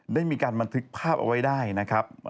ได้มีการบันทึกภาพเอาไว้ได้นะครับ